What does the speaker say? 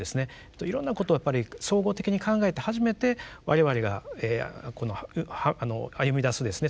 いろんなことをやっぱり総合的に考えて初めて我々が歩みだすですね